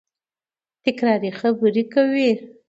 تکراري خبري کوي.